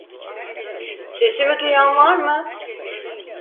Sesimi duyan var mı?